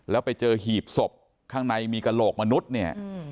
แล้วไปเจอหีบศพข้างในมีกระโหลกมนุษย์เนี่ย